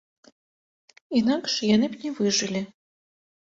Інакш яны б не выжылі.